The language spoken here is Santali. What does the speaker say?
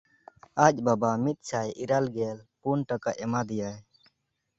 ᱟᱡ ᱵᱟᱵᱟ ᱢᱤᱫᱥᱟᱭ ᱤᱨᱟᱹᱞᱜᱮᱞ ᱯᱩᱱ ᱴᱟᱠᱟ ᱮᱢᱟ ᱫᱮᱭᱟᱭ᱾